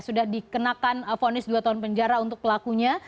sudah dikenakan fonis dua tahun penjara untuk pelakunya